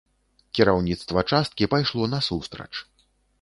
Кіраўніцтва часткі пайшло насустрач.